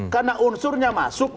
karena unsurnya masuk